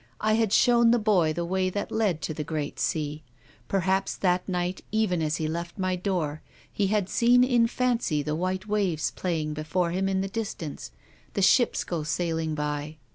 I had shown the boy the way that led to the great sea. Perhaps that night, even as he left my door, he had seen in fancy the white waves playing before him in the distance, the ships go sailing by.